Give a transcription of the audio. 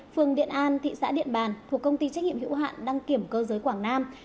phường điện an thị xã điện bàn thuộc công ty trách nhiệm hữu hạn đăng kiểm cơ giới quảng nam